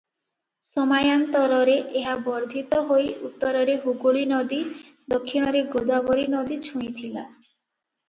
ସମାୟାନ୍ତରରେ ଏହା ବର୍ଦ୍ଧିତ ହୋଇ ଉତ୍ତରରେ ହୁଗୁଳୀନଦୀ, ଦକ୍ଷିଣରେ ଗୋଦାବରୀନଦୀ ଛୁଇଁଥିଲା ।